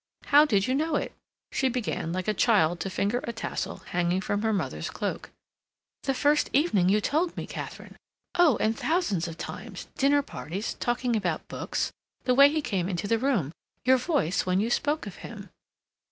"How did you know it?" She began, like a child, to finger a tassel hanging from her mother's cloak. "The first evening you told me, Katharine. Oh, and thousands of times—dinner parties—talking about books—the way he came into the room—your voice when you spoke of him."